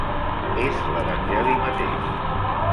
És l'Evangeli mateix.